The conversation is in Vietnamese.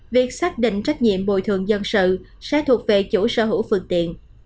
việc xác định trách nhiệm bồi thường dân sự sẽ thuộc về chủ sở hữu phương tiện